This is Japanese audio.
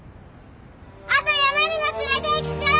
あと山にも連れていくから！